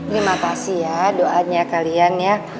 terima kasih ya doanya kalian ya